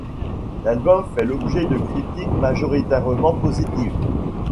L'album fait l'objet de critiques majoritairement positives.